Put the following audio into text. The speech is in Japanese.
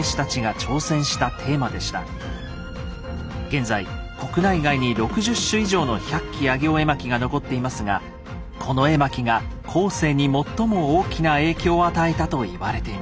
現在国内外に６０種以上の「百鬼夜行絵巻」が残っていますがこの絵巻が後世に最も大きな影響を与えたと言われています。